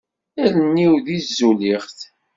Allen-iw di tzulixt.